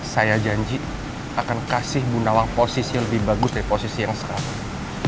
saya janji akan kasih bunda wang posisi yang lebih bagus dari posisi yang sekarang